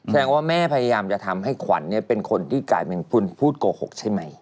แสดงว่าแม่พยายามจะทำให้ขวัญเป็นคนที่กลายเป็นพูดโกหกใช่ไหม